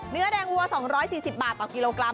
เนื้อแดงวัว๒๔๐บาทต่อกิโลกรัม